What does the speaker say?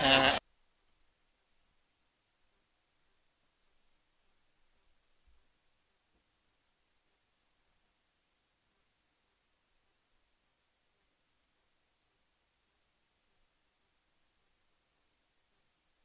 ขอบคุณค่ะ